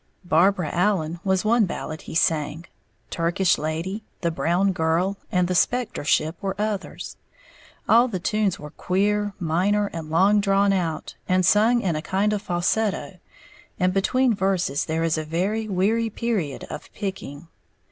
"Barbara Allen" was one ballad he sang; "Turkish Lady," "The Brown Girl," and "The Specter Ship" were others. All the tunes were queer, minor, and long drawn out, and sung in a kind of falsetto; and between verses there is a very weary period of picking.